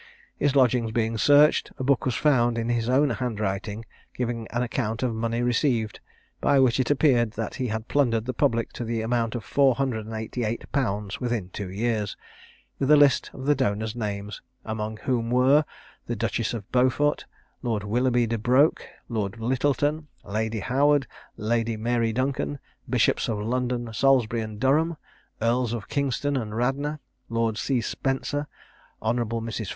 His lodgings being searched, a book was found in his own handwriting, giving an account of money received, (by which it appeared that he had plundered the public to the amount of four hundred and eighty eight pounds within two years,) with a list of the donors' names, among whom were, the Duchess of Beaufort, Lord Willoughby de Broke, Lord Lyttleton, Lady Howard, Lady Mary Duncan, Bishops of London, Salisbury, and Durham, Earls of Kingston and Radnor, Lord C. Spencer, Hon. Mrs.